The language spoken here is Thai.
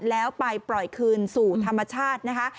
แล้วไปปล่อยคืนสู่ธรรมชาตินะคะ